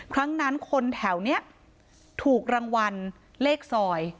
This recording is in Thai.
ครั้งนั้นคนแถวนี้ถูกรางวัลเลขซอย